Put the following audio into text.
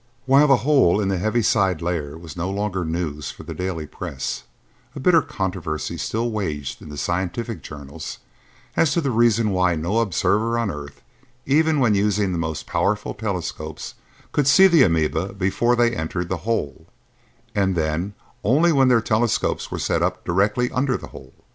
While the hole in the heaviside layer was no longer news for the daily press, a bitter controversy still waged in the scientific journals as to the reason why no observer on earth, even when using the most powerful telescopes, could see the amoeba before they entered the hole, and then only when their telescopes were set up directly under the hole.